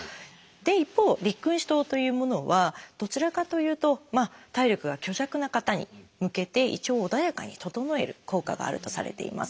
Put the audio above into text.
一方「六君子湯」というものはどちらかというと体力が虚弱な方に向けて胃腸を穏やかに整える効果があるとされています。